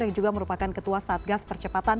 yang juga merupakan ketua satgas percepatan